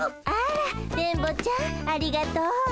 あら電ボちゃんありがとう。